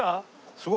すごい。